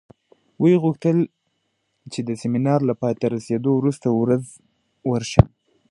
ویې غوښتل چې د سیمینار له پای ته رسېدو وروسته ورځ ورشم.